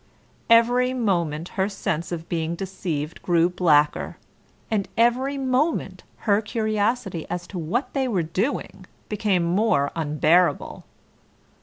Every moment her sense of being deceived grew blacker, and every moment her curiosity as to what they were doing became more unbearable.